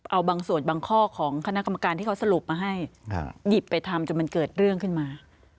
เอาบางส่วนบางข้อของคณะกรรมการที่เขาสรุปมาให้หยิบไปทำจนมันเกิดเรื่องขึ้นมา